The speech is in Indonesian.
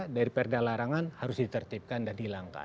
dari perdak larangan harus ditertipkan dan dihilangkan